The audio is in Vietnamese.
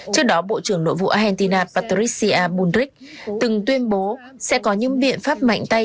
trước đó bộ trưởng nội vụ argentina patricia bundrich từng tuyên bố sẽ có những biện pháp mạnh tay